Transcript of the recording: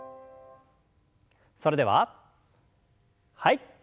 それでははい。